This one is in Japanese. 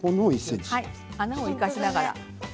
穴を生かしながら。